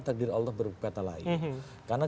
takdir allah berkata lain karena